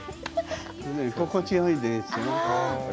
心地よいですよ。